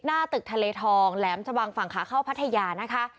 หน้าตึกทะเลทองแหลมชะบังฝั่งขาเข้าพัทยานะคะ